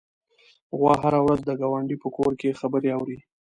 غوا هره ورځ د ګاونډي په کور کې خبرې اوري.